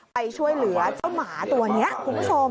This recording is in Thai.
ไปช่วยเหลือเจ้าหมาตัวนี้คุณผู้ชม